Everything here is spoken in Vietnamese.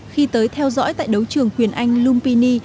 khi tới theo dõi tại đấu trường huyền anh lumpini